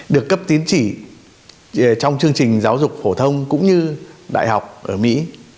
được cấp tín chỉ trong chương trình giáo dục phổ thông cũng như đại học ở mỹ